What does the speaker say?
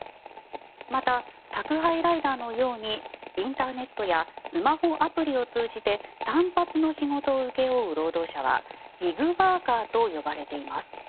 また、宅配ライダーのようにインターネットやスマホアプリを通じて単発の仕事を請け負う労働者はギグワーカーと呼ばれています。